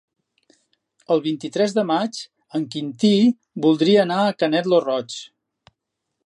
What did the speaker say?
El vint-i-tres de maig en Quintí voldria anar a Canet lo Roig.